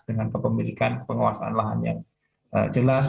dengan kepemilikan penguasaan lahan yang jelas